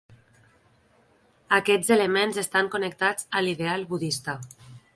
Aquests elements estan connectats a l'ideal budista.